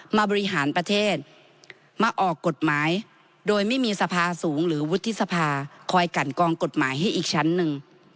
บริหารประเทศมาออกกฎหมายโดยไม่มีสภาสูงหรือวุฒิสภาคอยกันกองกฎหมายให้อีกชั้นหนึ่ง